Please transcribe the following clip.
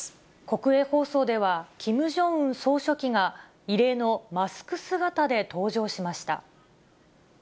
国営放送では、キム・ジョンウン総書記が、異例のマスク姿で登場しました。